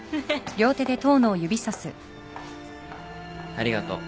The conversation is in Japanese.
ありがとう。